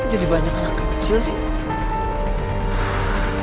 kok jadi banyak anak kecil sih